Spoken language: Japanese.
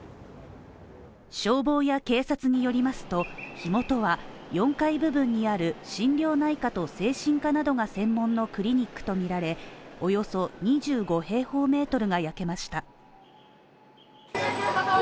消防や警察によりますと、火元は４階部分にある心療内科と精神科などが専門のクリニックとみられ、およそ２５平方メートルが焼けました。